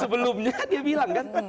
sebelumnya dia bilang kan